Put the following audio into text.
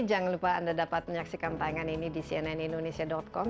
jangan lupa anda dapat menyaksikan tayangan ini di cnnindonesia com